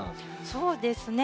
そうですね。